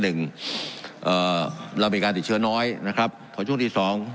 เอ่อเรามีการติดเชื้อน้อยนะครับพอช่วงที่สอง